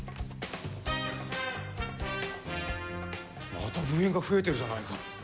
また部員が増えてるじゃないか。